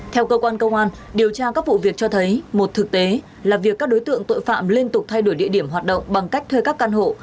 theo cơ quan công an điều tra các vụ việc cho thấy một thực tế là việc các đối tượng tội phạm liên tục thay đổi địa điểm hoạt động bằng cách thuê các căn hộ